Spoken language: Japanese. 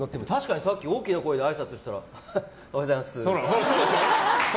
さっき大きな声であいさつをしたらおはようございますって。